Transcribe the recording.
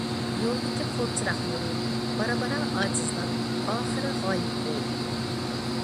يولدىكى قول چىراغ نۇرى بارا- بارا ئاجىزلاپ ئاخىرى غايىب بولدى.